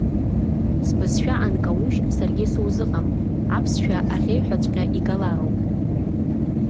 Сбызшәа анкаужь, саргьы сузыҟам, аԥсшәа аӷьеҩҳәаҵәҟьа игалароуп!